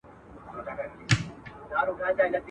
د ظالم عمر به لنډ وي په خپل تېغ به حلالیږي `